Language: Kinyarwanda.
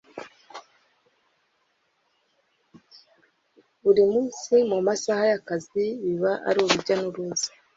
Buri munsi mu masaha y’akazi biba ari urujya n’uruza